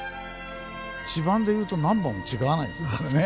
地番でいうと何番も違わないですね。